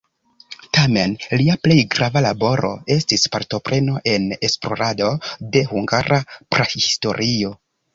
Tamen lia plej grava laboro estis partopreno en esplorado de hungara prahistorio.